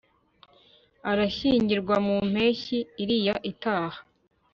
arashyingirwa mu mpeshyi iriya itaha